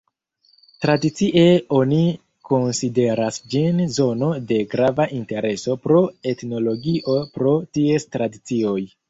Tradicie oni konsideras ĝin zono de grava intereso pro etnologio pro ties tradicioj.